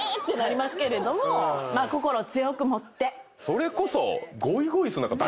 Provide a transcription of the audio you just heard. それこそ。